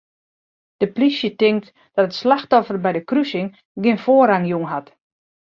De plysje tinkt dat it slachtoffer by de krusing gjin foarrang jûn hat.